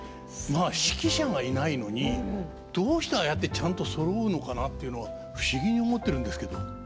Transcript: まあ指揮者がいないのにどうしてああやってちゃんとそろうのかなっていうのが不思議に思ってるんですけど。